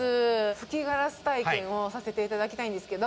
吹きガラス体験をさせていただきたいんですけど。